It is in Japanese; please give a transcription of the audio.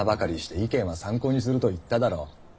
意見は参考にすると言っただろッ！